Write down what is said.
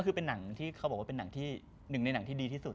เห็นเค้าพูดหนึ่งในนางที่ดีที่สุด